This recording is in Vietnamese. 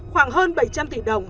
khoảng hơn bảy trăm linh tỷ đồng